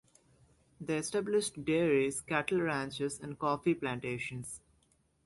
They established dairies, cattle ranches and coffee plantations.